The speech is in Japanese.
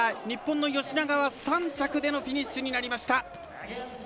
日本の吉永は３着でのフィニッシュになりました。